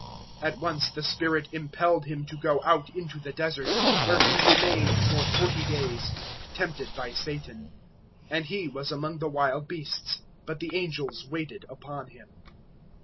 001:012 At once the Spirit impelled Him to go out into the Desert, 001:013 where He remained for forty days, tempted by Satan; and He was among the wild beasts, but the angels waited upon Him.